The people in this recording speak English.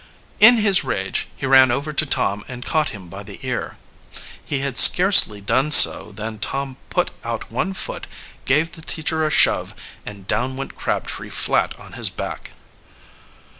In his rage he ran over to Tom and caught him by the ear. He had scarcely done so than Tom put out one foot, gave the teacher a shove, and down went Crabtree flat on his back.